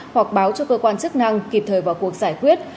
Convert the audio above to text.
hoặc báo cho cơ quan chức năng kịp thời vào cuộc giải quyết